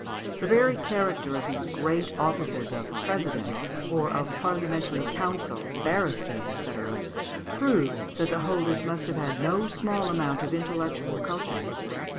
The very character of these great offices of president, or of parliamentary counsel, barristers, &c., proves that the holders must have had no small amount of intellectual culture.